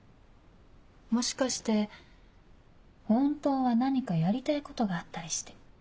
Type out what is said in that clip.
もしかして本当は何かやりたいことがあったりして？